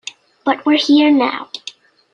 But we're here now.